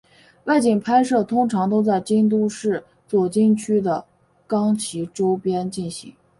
外景拍摄通常都在京都市左京区的冈崎周边进行。